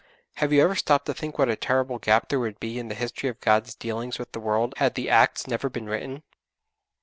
Have you ever stopped to think what a terrible gap there would be in the history of God's dealings with the world had the 'Acts' never been written?